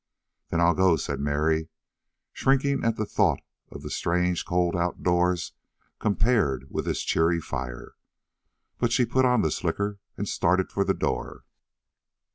"Then I'll go," said Mary, shrinking at the thought of the strange, cold outdoors compared with this cheery fire. But she put on the slicker and started for the door.